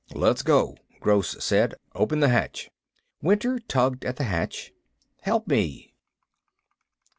"Let's go!" Gross said. "Open the hatch." Winter tugged at the hatch. "Help me."